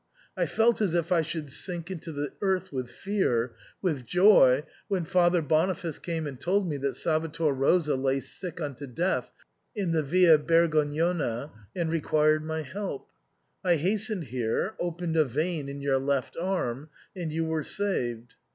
I felt as if I should sink into the earth with fear — with joy — when Father Boniface came and told me that Salvator Rosa lay sick unto death in the Via Bergognona, and required my help. I hastened here, opened a vein in your left arm, and you were saved.